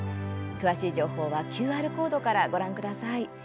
詳しい情報はＱＲコードからご覧ください。